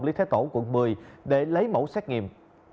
lý thái tổ quận một mươi để lấy mẫu xét nghiệm